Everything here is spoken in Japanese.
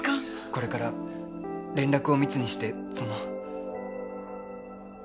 これから連絡を密にしてそのう。